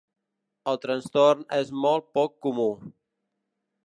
El trastorn és molt poc comú.